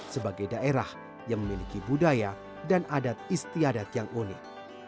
sebagai daerah yang memiliki budaya dan adat istiadat yang unik